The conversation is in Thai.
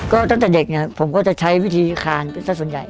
ก็ตั้งแต่เด็กเนี่ยผมก็จะใช้วิธีคานสักส่วนใหญ่